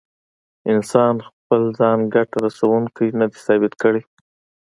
انسان خپل ځان ګټه رسوونکی نه دی ثابت کړی.